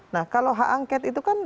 nah kalau hak angket itu kan